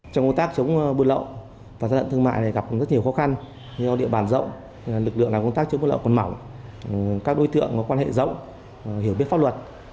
trong công tác chống buôn lậu và gian lận thương mại gặp rất nhiều khó khăn do địa bàn rộng lực lượng làm công tác chống buôn lậu còn mỏng các đối tượng có quan hệ rộng hiểu biết pháp luật